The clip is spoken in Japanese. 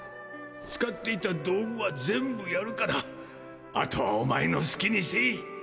使っていた道具は全部やるからあとはお前のすきにせえ。